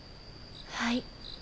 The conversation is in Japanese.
はい。